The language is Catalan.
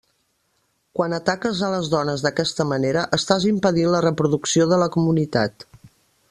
Quan ataques a les dones d'aquesta manera estàs impedint la reproducció de la comunitat.